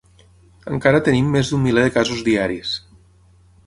Encara tenim més d’un miler de casos diaris.